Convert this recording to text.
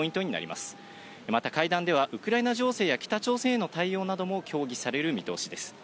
また会談では、ウクライナ情勢や北朝鮮への対応なども協議される見通しです。